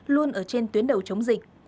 luôn ở trên tuyến đầu chống dịch